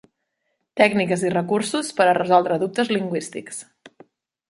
Tècniques i recursos per a resoldre dubtes lingüístics.